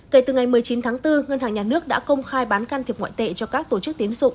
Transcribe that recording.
kể từ ngày một mươi chín tháng bốn ngân hàng nhà nước đã công khai bán can thiệp ngoại tệ cho các tổ chức tiến dụng